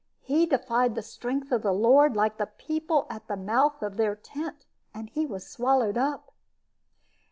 He defied the strength of the Lord, like the people at the mouth of their tent, and he was swallowed up."